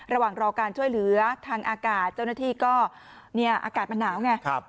ระหว่างรอการช่วยเหลือทางอากาศเจ้าหน้าที่ก็เนี่ยอากาศมันหนาวไง